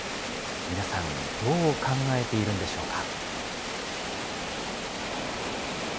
皆さん、どう考えているんでしょうか。